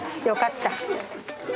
よかった。